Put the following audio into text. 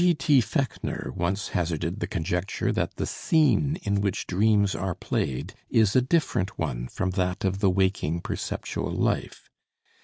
G. T. Fechner once hazarded the conjecture that the scene in which dreams are played is a different one from that of the waking perceptual life.